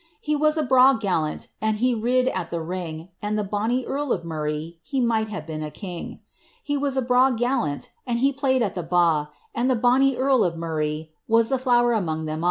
^ He was a braw gallant, And ha rid at the ring ; And the bonny earl of Murray, He might have been a king. He was a braw gallant, And he played at the ba',' And the bonny earl of Murray Was the flower among them a*.